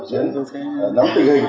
cho đến khi